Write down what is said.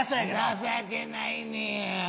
情けないねや。